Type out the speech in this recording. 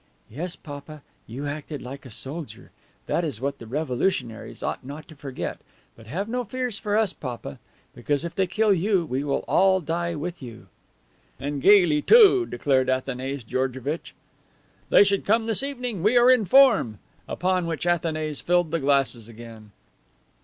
"Yes, papa, you acted like a soldier. That is what the revolutionaries ought not to forget. But have no fears for us, papa; because if they kill you we will all die with you." "And gayly too," declared Athanase Georgevitch. "They should come this evening. We are in form!" Upon which Athanase filled the glasses again.